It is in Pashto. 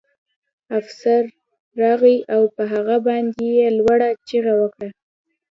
افسر راغی او په هغه باندې یې لوړه چیغه وکړه